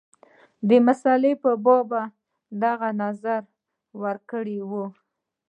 د مسلې په باب دغه نظر ورکړی وو.